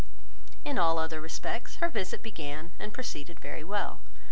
In all other respects, her visit began and proceeded very well.